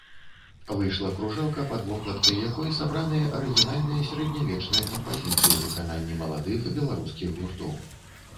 Выйшла кружэлка, пад вокладкай якой сабраныя арыгінальныя сярэднявечныя кампазіцыі ў выкананні маладых беларускіх гуртоў.